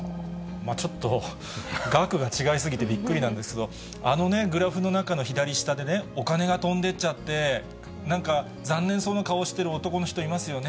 ちょっと額が違いすぎて、びっくりなんですが、あのね、グラフの中の左下でね、お金が飛んでっちゃって、なんか、残念そうな顔をしている男の人、いますよね。